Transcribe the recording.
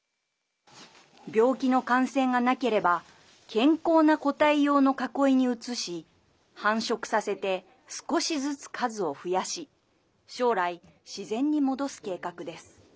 病気の感染がなければ健康な個体用の囲いに移し繁殖させて少しずつ数を増やし将来、自然に戻す計画です。